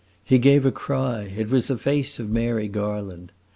He gave a cry it was the face of Mary Garland.